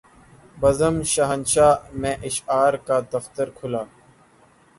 بزم شاہنشاہ میں اشعار کا دفتر کھلا